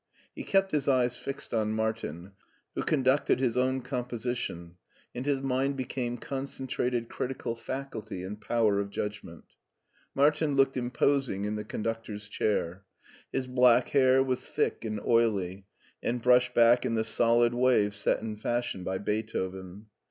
He kept his eyes fixed on Martin, who conducted his own composition, and his mind became concentrated critical faculty and power of judgment Martin looked imposing in the conductor's chair. His black hair was thick and oily, and brushed back in the solid wave set in fashion by Beethoven.